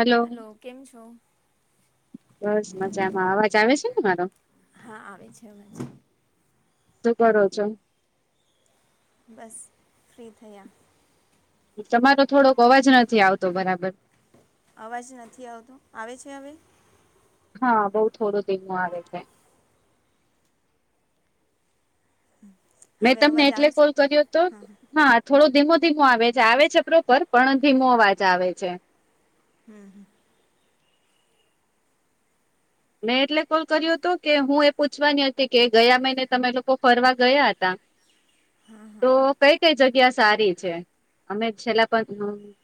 Hello hello કેમ છો. બસ મજામાં અવાજ આવે છે ને મારો. હા આવે છે અવાજ છે. શું કરો છો. બસ ફ્રી થયા. તમારો થોડોક અવાજ નથી આવતો બરાબર. અવાજ નથી આવતો આવે છે હવે. હા બઉુ થોડો ધીમો આવે છે. મેં હવે તમને અવાજ એટલે આવે છે કોલ કર્યો હતો. હા થોડો ધીમો ધીમો આવે છે આવે છે પ્રોપર પણ ધીમો અવાજ આવે છે. હમ. મેં એટલે કોલ કર્યો હતોું કે હું એ પૂછવાની હતી કે ગયા મહિને તમે લોકો ફરવા ગયા હતા. હા હા તો કઈ કઈ જગ્યા સારી છે. અમે છેલ્લા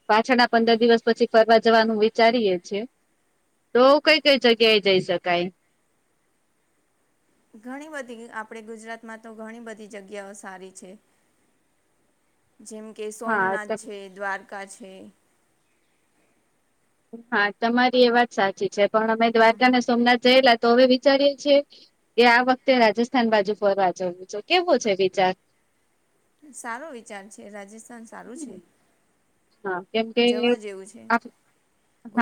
પાછળ ના પંદર દિવસ પછી ફરવા જવાનું વિચારીએે છીએ. તો કઈ ઓકે કઈ જગ્યા એ જઈ શકાય. ઘણી બધી આપણે ગુજરાતમાં તો ઘણી બધી જગ્યાઓ સારી છે. જેમ કે સોમનાથ હા છે દ્વારકા છે. હા તમારી એ વાત સાચી છે પણ અમે દ્વારકા ને સોમનાથ જયેલા તો હવે વિચારીએે છીએ કે આ વખતે રાજસ્થાન બાજુ ફરવા જવું છે કેવું છે વિચાર. સારો વિચાર છે રાજસ્થાન સારું છે. હા કેમ કે જવા જેવું છે આ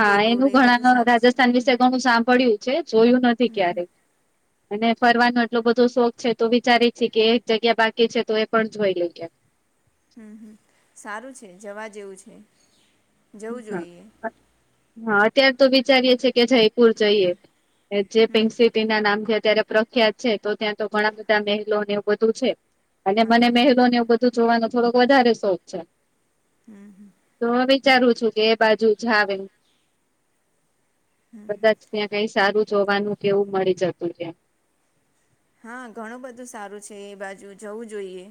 હા એનું એ બધું ઘણા સારું છે રાજસ્થાન હમ વિશે ઘણું સાંભળ્યું છે જોયું નથી ક્યારે [inaudible] અને ફરવાનો એટલો બધો શોખ છે તો વિચારી છે કે એક જગ્યા બાકી છે તો એ પણ જોઈ લયે. હમ હમ સારું છે જવા જેવું છે જવું જોઈએ. હા અત્યારે તો વિચારીએએ કે જયપુર જઈએ જે પેન શીપ. ના નામથી અત્યારે પ્રખ્યાત છે તો ત્યાં તો ઘણા બધા મહેલોને એવું બધું છે. અને હા મને હા મેહેલો ને એવું બધું જોવાનો થોડોક વધારે શોખ છે. તો હું વિચારું છું કે એ બાજુ જાવે. કદાચ ત્યાં કઈ સારું જોવાનું કેવું મળી જતું છે. હા ઘણું બધું સારું છે એ બાજુ જવું જોઈએ.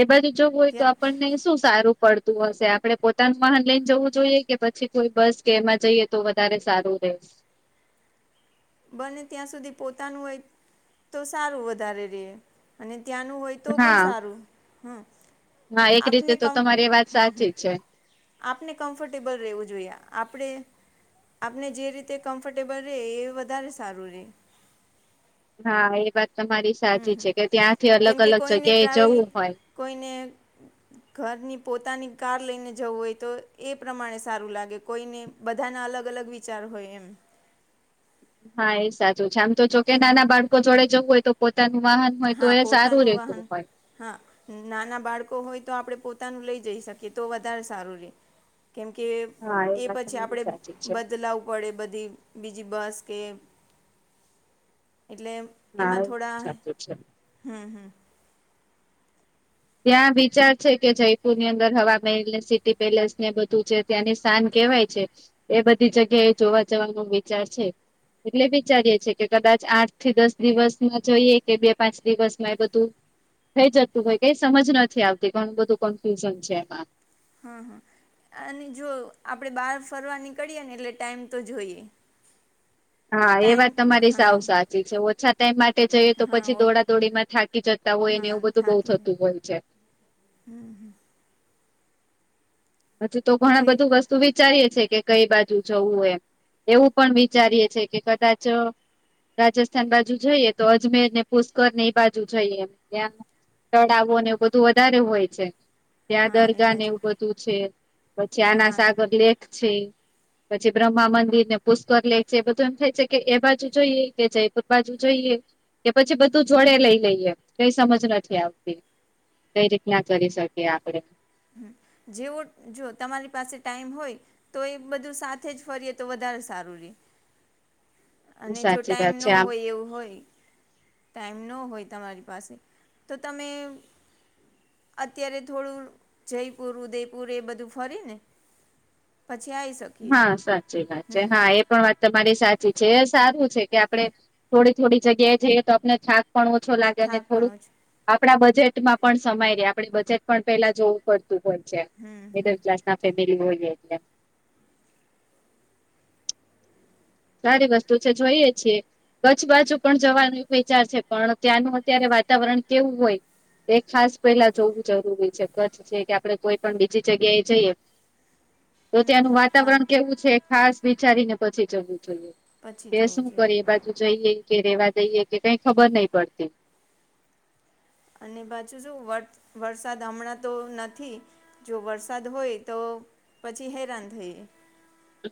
એ બાજુ જોવું હોય તો ત્યાં આપણને શું સારું પડતું હશે આપડે પોતાનું મહાન લઈને જવું જોઈએ કે પછી કોઈ બસ કે એમાં જઈએ તો વધારે સારું રહે. બને ત્યાં સુધી પોતાનું હોય તો સારું વધારે ર અને ત્યાંનું હોય. તો પણ સારું હમ. ના એક રીતે આપને તો કમ તમારી એ વાત હમ હમ સાચી છે. આપને કમ્ફર્ટેબલ રહેવું જોઈએ આપણે. આપને જે રીતે કમ્ફર્ટેબલ ર એ વધારે સારું રે. હા એ વાત તમારી હમ સાચી હમ છે કે ત્યાંથી અલગ કેમ કે અલગ કોઈને જગ્યા એ જવું ટ્રાવેલિંગ હોય. કોઈને. ઘરની પોતાની કાર લઈને જવું હોય તો એ પ્રમાણે સારું લાગે કોઈને. બધા ના અલગ અલગ વિચાર હોય એમ હા એ સાચું છે, આમ તો જોકે નાના બાળકો જોડે જવું હોય તો પોતાનું વાહન હોય તો હા એ સારું પોતાનું રહેેતું વાહન હોય હા નાના બાળકો હોય તો આપડણે પોતાનું લઈ જઈ શકીએ તો વધારે સારું રહે. કેમકે હા એ વાત પછી તમારી આપણે સાચી છે બદલાવ વડે બધી બીજી બસ કે એટલે હા એમાં થોડા ચાલે છે. હમ હમ. ત્યાં વિચાર છે, કે જયપુરની અંદર હવા મેલને સિટી પેલેસ ને બધું જે ત્યાંની સ્થાન કેહેવાય છે, એ બધી જગ્યાએ જોવા જવાનો વિચાર છે. એટલે વિચારીએે છે, કે કદાચ આઠ થી દસ દિવસમાં જોઈએ કે બે પાંચ દિવસમાં એ બધું થઈ જતું હોય કઈ સમજ નથી આવતી ઘણું બધું કન્ફ્યુઝન છે, એમાં હા હા અને જો આપણે બાર ફરવા નીકળીએ ને એટલે ટાઈમ તો જોઈએ [inaudible] હા એ વાત તમારી હા સાવ સાચી છે, ઓછા ટાઈમ માટે જઈએ તો હા પછી ઓ દોડાદોડી માં થા કી જતા હોય ને હા એવું બધું બોવ થાકી થતું હોય છે. હમ હમ. અજુ તો ઘણા એટલે બધું વસ તું વિચારીએે છે, કે કઈ બાજુ જવું હો એવું પણ વિચારીએે છે, કે કદાચ રાજસ્થાન બાજુ જઈએ તો અજમેરને પુષ્કર ને એ બાજુ જઈએ એમ ત્યા તળાવો ને એ બધું વધારે હોય છે. ત્યાં હા એ દરગાહ ને બાજુ એવું બધું છે, પછી આના હા સાગર લેક છે. પછી બ્રહ્મા મંદિરને પુષ્કર લેક છે, બધું એમ થાય છે, કે એ બાજુ જોઈએ કે જયપુર બાજુ જોઈએ કે પછી બધું જોડે લઈ લઈએ કઈ સમજ નથી આવતી કઈ રીતના કરી શકીએ આપણે હમ જેવો જો તમારી પાસે ટાઈમ હોય તો એ બધું સાથે જ ફરીએ તો વધારે સારું રે અને જો સાચી ટાઈમ વાત ન છે આમ હોય એવું હોય ટાઈમ ન હોય તમારી પાસે તો તમે અત્યારે થોડું જયપુર, ઉદેયપુર એ બધું ફરી ને પછી આય શ હા સાચી વાત છે, હા એ પણ વાત તમારી સાચી છે, સારું છે, કે આપણે થોડી થોડી જગ્યાએ જઈએ તો આપણે થાક પણ ઓછો લાગે અને થાક પણ થોડુંક ઓછો આપણા બજેટમાં પણ સમાય રે આપણે બજેટ પણ પેલા જો પડતું હો છે, હમ નેત હમ ક્લાસના ફેમિલી હોયે એટલે સારી વસ્તુ છે, જોઈએે છીએ કછ બાજુ પણ જવાનું વિચાર છે, પણ ત્યાંનું અત્યારે વાતાવરણ કેવું હોય એ ખાસ પેલા જોવું જરૂરી છે, કચ્છ છે, કે આપડે કોઈ પણ બીજી જગ્યા એ જઈએ તો હમ ત્યાંનું હા વાતાવરણ કેવું છે, ખાસ વિચારીને પછી જવું જોઈએ પછી કે જવું શું જોઈએ કરીએ બાજુ જઈએ કે રેવા દઈએ કે કઈ ખબર નઈ પડતી અને બાછુ જો વટ વરસાદ હમણાં તો નથી જો વરસાદ હોય તો પછી હેરાન થઈએ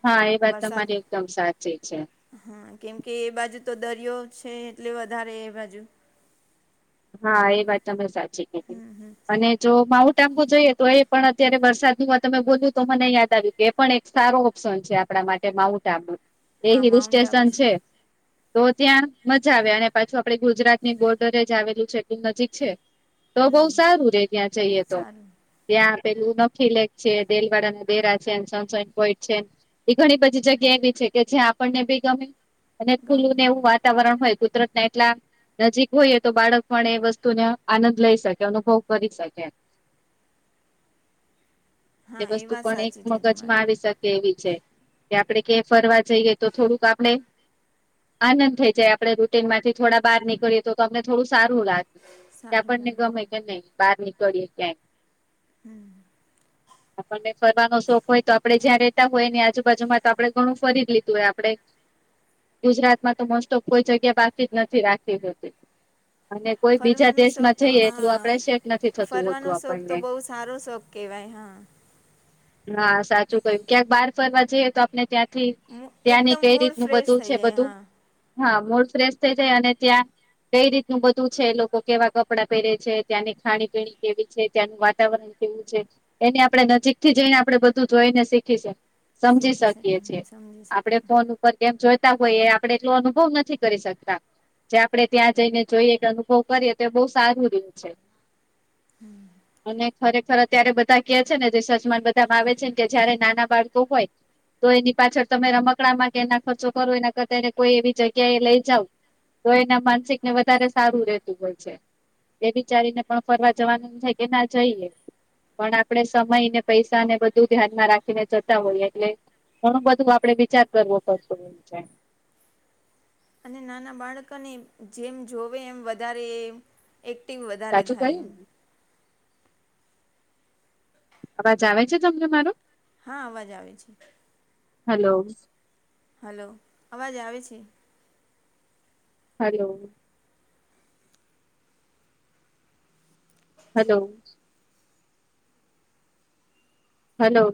હા એ વાત વરસાદ તમારી એકદમ સાચી છે. હા કેમ કે એ બાજુ તો દરિયો છે, એટલે વધારે એ બાજુ હા એ વાત તમે સાચી કીધી હમ હમ અને જો માઉન્ટ આંબુ જોઈએ તો એ પણ અત્યારે વરસાદનું તમે બોલ્યું તો મને યાદ આવ્યું કે પણ એક સારો ઓપ્શન છે, આપણા માટે માઉન્ટ આબુ એ હા હિલ માઉન્ટ આબુ સ્ટેશન છે. તો ત્યાં મજા આવે અને પાછું આપડે ગુજરાતની બોર્ડરે આવેલું છે એટલું નજીક છે તો બહુ હમ હમ, સારું રે ત્યાં જઈએ તો સારું ત્યાં પેલું ન લેખ છે દેલવાડા ન દેરા છે સન સાઇન પોઈન્ટ છે એ ઘણી બધી જગ્યા એવી છે કે જ્યાં આપણને બી ગમે અને ખુલ્લુંને ગમે એવું વાતાવરણ હોય કુદરતના એટલા નજીક હોય તો બાળક પણ એ વસ્તુને આનંદ લઈ શકે અનુભવ કરી શકે તે હા એ વસ્તુ વાત પણ એક સાચી છે મગજમાં તમારી આવી શ કે એવી છે, કે આપડે કે ફરવા જઈએઈ તો થોડુંક આપણે આનંદ થઇ જાય આપડણે રૂટીન માંથી થોડા બહાર નીકળીએ તો અમને થોડું સારું લાગ કે સારું આપણને લાગે ગમે કે નહી બહાર નીકળીએ ક્યાંય આપણને ફરનો શોખ હોય તો આપડે જ્યાં રેતા હોય આજુબાજુમાં તો આપડે ઘણું ફરીદ લીધું હોય આપડે ગુજરાત માં તો મોસ્ટ ઓફ કોઈ જગ્યા બાકી જ નથી રાખી હોતી અને કોઈ બીજા ફરવાનો શોખ દેશમાં તો જઈએ એટલું હા આપડે સેટ નથી થતું ફરવાનો હોતું શોખ તો આપણને. બહુ સારો શોખ કેવાય હા હા સાચું કય્યું ક્યાંક બહાર ફરવા જઈએ તો આપને ત્યાં મુ- ત્યાંની એકદમ કઈ મૂડ રીતનું ફ્રેશ બધું છે થઈ જાય બધું હા હા મૂડ ફ્રેશ થઈ જાય અને ત્યાં કઈ રીતનું બધું છે લોકો કેવા કપડાં પહેરે છે ત્યાંની ખાણી પીણી કેવી છે ત્યાંનું વાતાવરણ વું છે એને આપણે નજીક થી જઈને આપણે બધું જોઈને શીખી છે સમજી શીખી શકીએ છીએ સમજી આપડે શકીએ ફોન કેમ જોઈતા હોય એ આપણેે એટલો અનુભવ નથી કરી શકતા જે આપણે ત્યાં જઈને જોઈએ અનુભવ કરીએ તો એ બહુ સારું રીત છે હમ્મ અને ખરેખર ત્યારે બધા કે છે ને જે સજમાન બધામાં આવે છે ને કે જયારે નાના બાળકો હોય તો એની પાછળ તમે રમકડામાં કે એના ખર્ચો કરો એના કરતાને કોઈ એવી જગ્યા એ લઈ જાવ તો એના માનસિકને વધારે સારું રહેતું હોય છે એ વિચારીને પણ ફરવા જવાનું ન થાય કે ના જઈએ પણ આપણે સમય ને પૈસાને બધું ધ્યાનમાં રાખીને જતા હોઈએ એટલે ઘણું બધું આપડે વિચાર કરવો પડતું હોય છે અને નાના બાળકોને જેમ જોવે એમ વધારે એક્ટિંગ વધારે સાચું થાય કહ્યું એમ ને અવાજ આવે છે તમને મારું હા અવાજ આવે છે હેલો હલો અવાજ આવે છે હલો હલો હલો